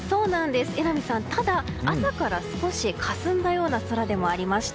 ただ、朝から少しかすんだような空でもありました。